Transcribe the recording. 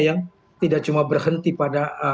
yang tidak cuma berhenti pada